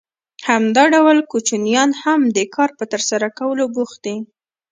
همدا ډول کوچنیان هم د کار په ترسره کولو بوخت دي